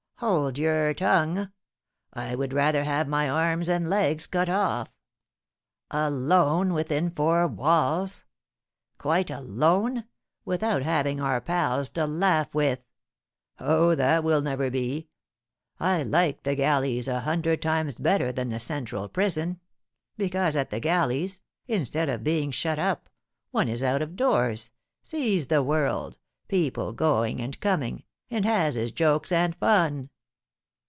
Hold your tongue! I would rather have my arms and legs cut off! Alone within four walls! Quite alone without having our pals to laugh with! Oh, that will never be! I like the galleys a hundred times better than the central prison, because at the galleys, instead of being shut up, one is out of doors, sees the world, people going and coming, and has his jokes and fun.